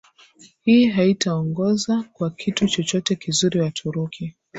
hii haitaongoza kwa kitu chochote kizuri Waturuki